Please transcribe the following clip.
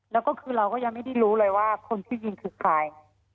แล้วก็คือเราก็ยังไม่ได้รู้เลยว่าคนที่ยิงคือใคร